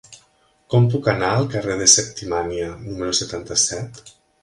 Com puc anar al carrer de Septimània número setanta-set?